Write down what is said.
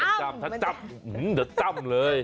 ถ้าจ้ำจะจ้ำเลย